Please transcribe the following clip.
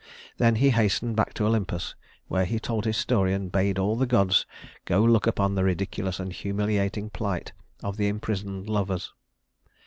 Then he hastened back to Olympus, where he told his story and bade all the gods go look upon the ridiculous and humiliating plight of the imprisoned lovers.